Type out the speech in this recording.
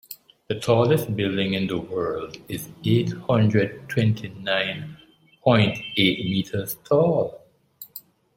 The tallest building in the world is eight hundred twenty nine point eight meters tall.